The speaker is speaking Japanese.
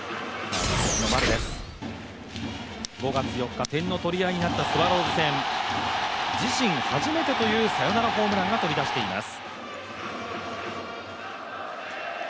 ５月４日、点の取り合いになったスワローズ戦、自身初めてというサヨナラホームランが飛び出しています。